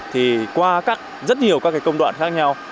thì qua rất nhiều các công đoạn khác nhau